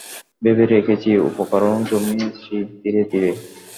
ভেবে রেখেছি, উপকরণও জমিয়েছি ধীরে ধীরে।